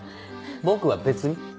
僕は別に。